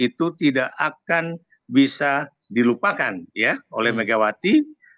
itu tidak akan bisa dilupakan oleh megawati